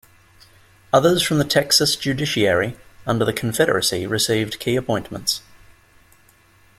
Others from the Texas judiciary under the Confederacy received key appointments.